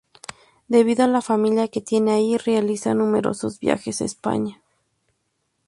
Debido a la familia que tiene allí, realiza numerosos viajes a España.